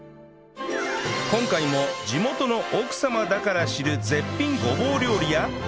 今回も地元の奥様だから知る絶品ごぼう料理や